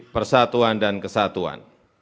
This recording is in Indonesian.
persatuan dan kesatuan